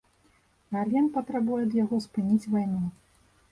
Гален патрабуе ад яго спыніць вайну.